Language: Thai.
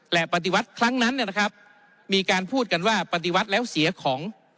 และปฏิวัติครั้งนั้นนะครับมีการพูดกันว่าปฏิวัติแล้วเสียของ